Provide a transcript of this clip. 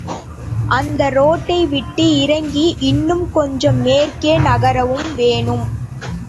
அந்த ரோட்டை விட்டு இறங்கி இன்னும் கொஞ்சம் மேற்கே நகரவும் வேணும்.